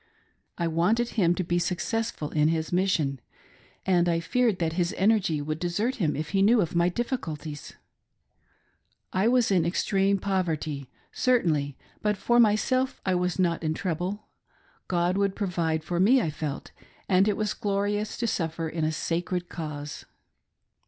I wanted him to be successful in his mission, A DECEITFUL "APOSTLE "^POLYGAMY DENIED. I03 and I feared that his energy would desert him if he knew of my difficulties. I was in extreme poverty, certainly, but for my self I was not in trouble. God would provide for me, I felt, and it was glorious to suffer in a sacred cause.